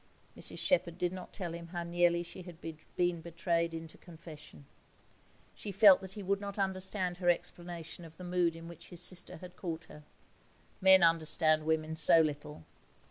Mrs Shepherd did not tell him how nearly she had been betrayed into confession. She felt that he would not understand her explanation of the mood in which his sister had caught her. Men understand women so little.